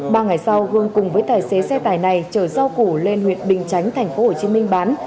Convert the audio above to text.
ba ngày sau hương cùng với tài xế xe tài này chở rau củ lên huyện bình chánh tp hcm bán